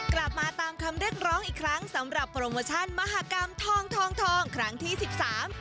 กลับมาตามคำเรียกร้องอีกครั้งสำหรับโปรโมชั่นมหากรรมทองทองทองทองครั้งที่สิบสาม